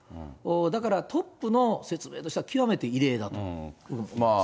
だからトップの説明としては、極めて異例だと思います。